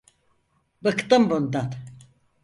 Bıktım bundan.